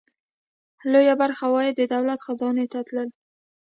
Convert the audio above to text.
لویه برخه عواید د دولت خزانې ته تلل.